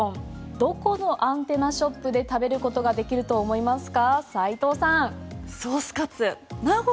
どこのアンテナショップで食べることができると思いますか？